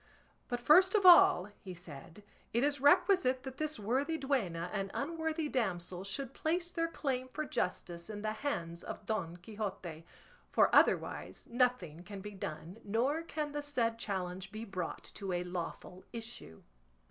"But first of all," he said, "it is requisite that this worthy duenna and unworthy damsel should place their claim for justice in the hands of Don Quixote; for otherwise nothing can be done, nor can the said challenge be brought to a lawful issue."